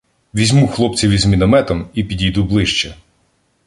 Візьму хлопців із мінометом і підійду ближче.